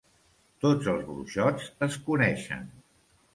Tots els bruixots es coneixen.